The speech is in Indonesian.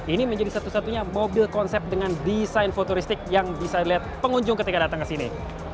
ini menjadi satu satunya mobil konsep dengan desain futuristik yang bisa dilihat pengunjung ketika datang ke sini